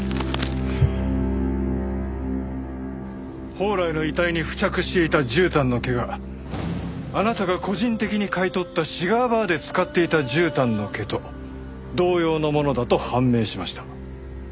宝来の遺体に付着していた絨毯の毛があなたが個人的に買い取ったシガーバーで使っていた絨毯の毛と同様のものだと判明しました。